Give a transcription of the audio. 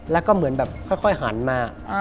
แล้วก็เหมือนแบบค่อยหันมา